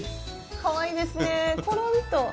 かわいいですねころんと。